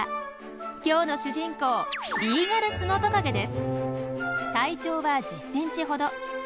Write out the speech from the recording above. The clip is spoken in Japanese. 今日の主人公体長は１０ｃｍほど。